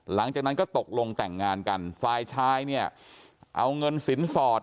หลังจากนั้นก็ตกลงแต่งงานกันฝ่ายชายเนี่ยเอาเงินสินสอด